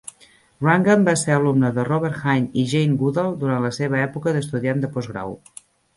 Wrangham va ser alumne de Robert Hinde i Jane Goodall durant la seva època d'estudiant de postgrau.